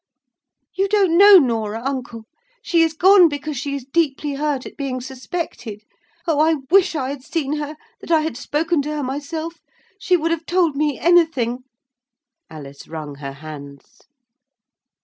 "You don't know Norah, uncle! She is gone because she is deeply hurt at being suspected. O, I wish I had seen her—that I had spoken to her myself. She would have told me anything." Alice wrung her hands.